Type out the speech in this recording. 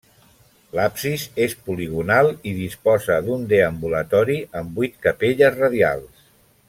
L'absis és poligonal i disposa d'un deambulatori amb vuit capelles radials.